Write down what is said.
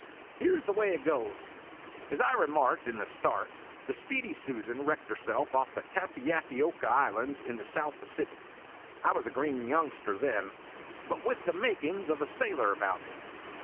"Here 's the way it goes:" As I remarked in the start, the Speedy Susan wrecked herself off the Tappy appy oca Islands in the South Pacific. I was a green youngster then, but with the makin's of a sailor about me.